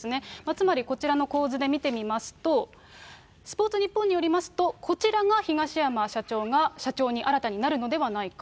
つまりこちらの構図で見てみますと、スポーツニッポンによりますと、こちらが東山社長が、社長に新たになるのではないか。